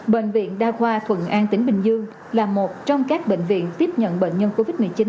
bệnh viện đa khoa thuận an tỉnh bình dương là một trong các bệnh viện tiếp nhận bệnh nhân covid một mươi chín